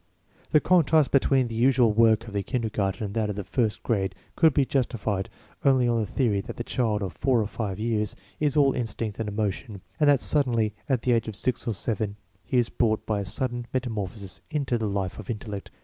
The contrast between the usual work of the kinder garten and that of the first grade could be justified only on the theory that the child of four or five years is all instinct and emotion, and that suddenly at the age of six or seven he is brought by a sudden meta morphosis into the life of intellect.